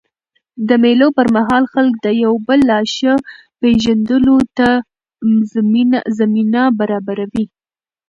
د مېلو پر مهال خلک د یو بل لا ښه پېژندلو ته زمینه برابروي.